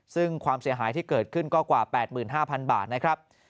ซึ่งความเสียหายที่เกิดขึ้นก็กว่า๘๕๐๐๐บาทนะครับ